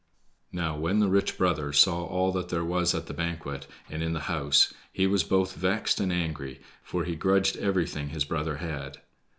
Now, when the rich brother saw all that there was at the banquet, and in the house, he was both vexed and angry, for he grudged everything his brother had.